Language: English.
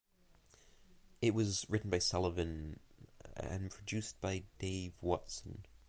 It was written by Sullivan and produced by Dave Watson.